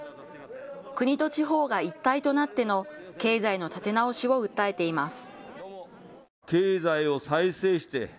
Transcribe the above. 国と地方が一体となっての経済の立て直しを訴えています。